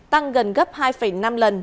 tăng gần gấp hai năm lần